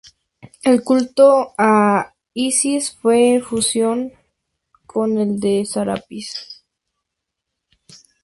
El culto a Isis se fusionó con el de Serapis.